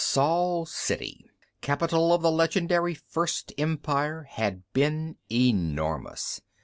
Sol City, capital of the legendary First Empire, had been enormous.